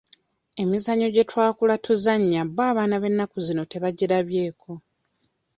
Emizannyo gye twakula tuzannya bbo abaana b'ennaku zino tebagirabyeko.